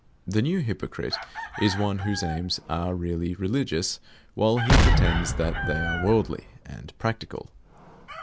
The new hypocrite is one whose aims are really religious, while he pretends that they are worldly and practical.